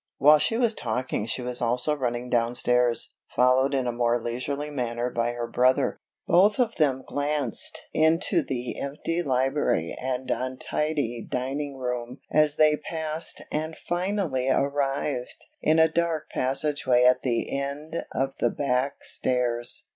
While she was talking she was also running downstairs, followed in a more leisurely manner by her brother. Both of them glanced into the empty library and untidy dining room as they passed and finally arrived in a dark passageway at the end of the back stairs.